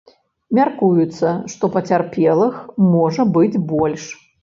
Мяркуецца, што пацярпелых можа быць больш.